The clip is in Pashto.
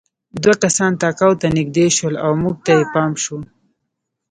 دوه کسان تهکوي ته نږدې شول او موږ ته یې پام شو